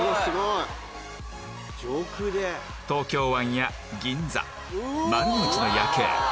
東京湾や銀座丸の内の夜景